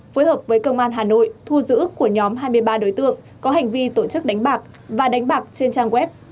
phối hợp với công an hà nội thu giữ của nhóm hai mươi ba đối tượng có hành vi tổ chức đánh bạc và đánh bạc trên trang web